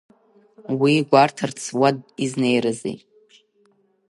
Уи гәарҭарц уа изнеирызи?